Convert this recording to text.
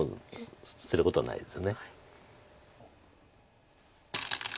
捨てることはないです。